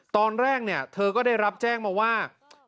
ตอนแรกเนี่ยเธอก็ได้รับแจ้งมาว่า